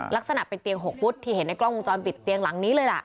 ลักษณะเป็นเตียง๖ฟุตที่เห็นในกล้องวงจรปิดเตียงหลังนี้เลยล่ะ